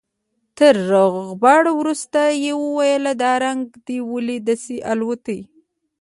تر روغبړ وروسته يې وويل دا رنگ دې ولې داسې الوتى.